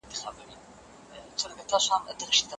کمپيوټر کليک شمېرې.